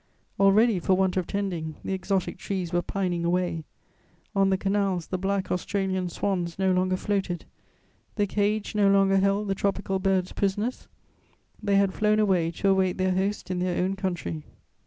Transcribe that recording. Already, for want of tending, the exotic trees were pining away; on the canals the black Australian swans no longer floated; the cage no longer held the tropical birds prisoners: they had flown away to await their host in their own country.